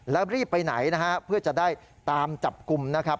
แล้วรีบไปไหนนะฮะเพื่อจะได้ตามจับกลุ่มนะครับ